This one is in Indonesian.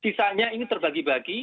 sisanya ini terbagi bagi